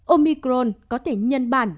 omicron có thể nhân bản